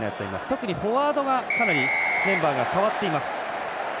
特にフォワードがかなりメンバーが代わっています。